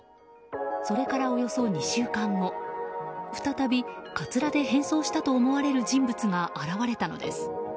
それからおよそ２週間後再びかつらで変装したと思われる人物が現れたのです。